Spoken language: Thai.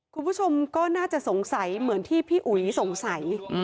คุณผู้ชมก็น่าจะสงสัยเหมือนที่พี่อุ๋ยสงสัย